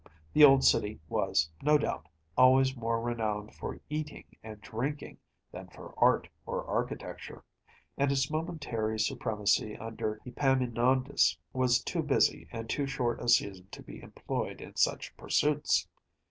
The old city was, no doubt, always more renowned for eating and drinking than for art or architecture,(97) and its momentary supremacy under Epaminondas was too busy and too short a season to be employed in such pursuits.